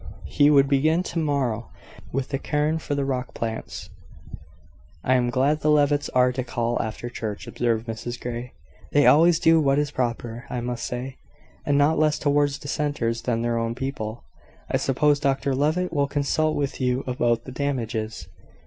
He would begin to morrow with the cairn for the rock plants. "I am glad the Levitts are to call after church," observed Mrs Grey. "They always do what is proper, I must say; and not less towards dissenters than their own people. I suppose Dr Levitt will consult with you about the damages."